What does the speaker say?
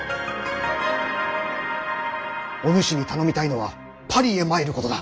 お主に頼みたいのはパリへ参ることだ。